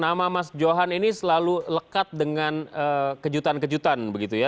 nama mas johan ini selalu lekat dengan kejutan kejutan begitu ya